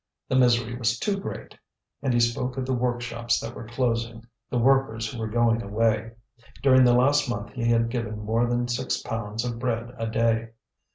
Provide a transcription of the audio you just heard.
The misery was too great; and he spoke of the workshops that were closing, the workers who were going away. During the last month he had given more than six pounds of bread a day.